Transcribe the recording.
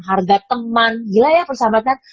harga teman gila ya persahabatan